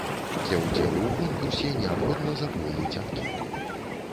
Для ўдзелу ў конкурсе неабходна запоўніць анкету.